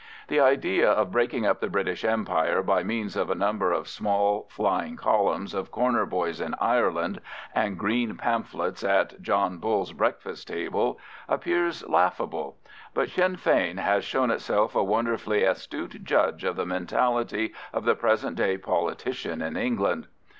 The idea of breaking up the British Empire by means of a number of small flying columns of corner boys in Ireland, and green pamphlets at John Bull's breakfast table, appears laughable; but Sinn Fein has shown itself a wonderfully astute judge of the mentality of the present day politician in England.